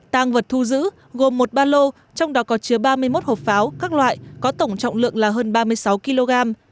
tăng vật thu giữ gồm một ba lô trong đó có chứa ba mươi một hộp pháo các loại có tổng trọng lượng là hơn ba mươi sáu kg